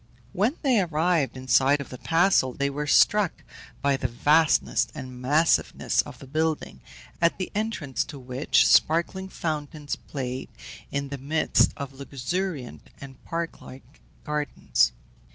When they arrived in sight of the castle they were struck by the vastness and massiveness of the building, at the entrance to which sparkling fountains played in the midst of luxuriant and park like gardens.